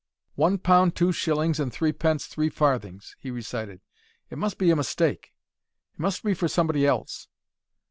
"One pound two shillings and threepence three farthings!" he recited. "It must be a mistake. It must be for somebody else."